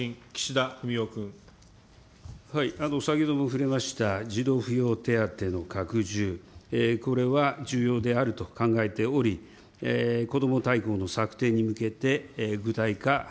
先ほども触れました、児童扶養手当の拡充、これは重要であると考えており、こども大綱の策定